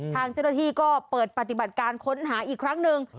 ทางเจ้าหน้าที่ก็เปิดปฏิบัติการค้นหาอีกครั้งหนึ่ง